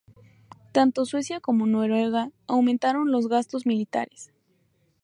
Tanto Suecia como Noruega aumentaron los gastos militares.